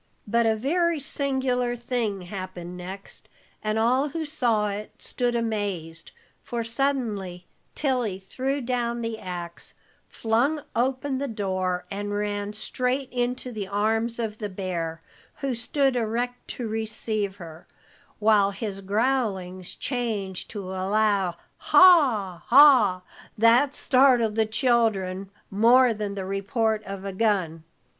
But a very singular thing happened next, and all who saw it stood amazed, for suddenly Tilly threw down the ax, flung open the door, and ran straight into the arms of the bear, who stood erect to receive her, while his growlings changed to a loud "Haw, haw!" that startled the children more than the report of a gun.